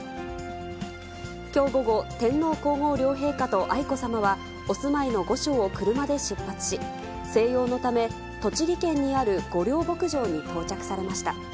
きょう午後、天皇皇后両陛下と愛子さまは、お住いの御所を車で出発し、静養のため、栃木県にある御料牧場に到着されました。